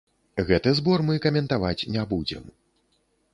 Гэты збор мы каментаваць не будзем!